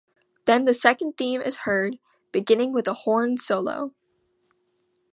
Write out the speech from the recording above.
Then the second theme is heard, beginning with a horn solo.